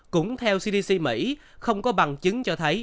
cũng theo cdc mỹ không có bằng chứng cho thấy